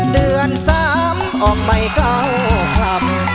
เดือน๓ออกไปเก้าคร่ำ